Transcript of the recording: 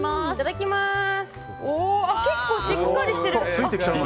結構しっかりしてる。